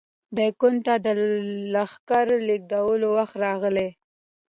دکن ته د لښکر د لېږد وخت راغی.